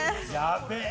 やべえ。